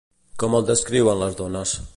Com el descriuen les dones?